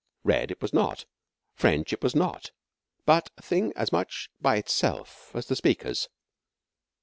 Red it was not; French it was not; but a thing as much by itself as the speakers.